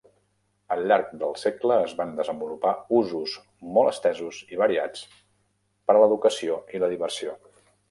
Al llarg del segle es van desenvolupar usos molt estesos i variats per a l'educació i la diversió.